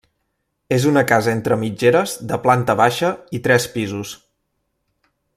És una casa entre mitgeres de planta baixa i tres pisos.